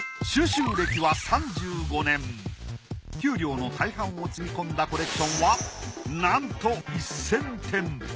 給料の大半をつぎ込んだコレクションはなんと１，０００点。